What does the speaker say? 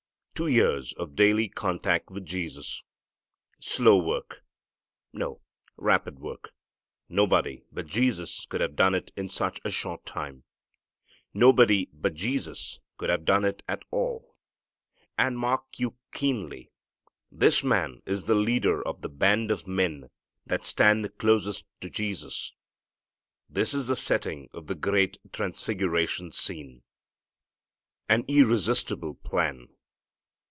Two years of daily contact with Jesus. Slow work! No, rapid work. Nobody but Jesus could have done it in such a short time. Nobody but Jesus could have done it at all. And, mark you keenly, this man is the leader of the band of men that stand closest to Jesus. This is the setting of the great transfiguration scene. An Irresistible Plan.